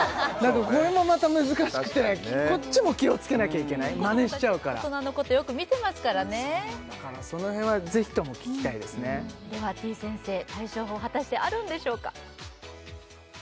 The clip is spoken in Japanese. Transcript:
これもまた難しくてこっちも気をつけなきゃいけないまねしちゃうから大人のことよく見てますからねだからその辺はぜひとも聞きたいですねではてぃ先生対処法果たしてあるんでしょうか？